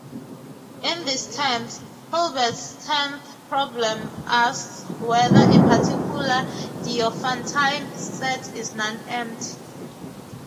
In these terms, Hilbert's tenth problem asks whether a particular Diophantine set is non-empty.